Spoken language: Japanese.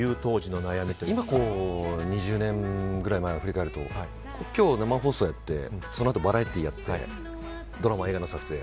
今、２０年ぐらい前を振り返ると今日、生放送をやってそのあとバラエティーをやってドラマ、映画の撮影。